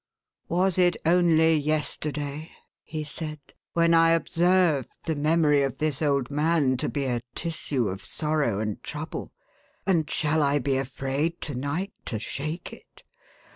486 THE HAUNTED MAN. "Was it only yesterday,11 he said, "when I observed the memory of this old man to be a tissue of sorrow and trouble, and shall I be afraid, to night, to shake it?